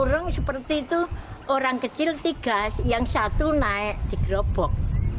burung seperti itu orang kecil tiga yang satu naik di gerobok